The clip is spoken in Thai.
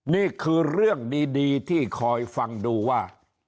นี่คือเรื่องดีที่คอยฟังดูว่า